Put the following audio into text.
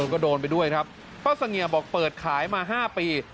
ก็โดนไปด้วยครับป้าเสงี่ยมบอกเปิดขายมา๕ปี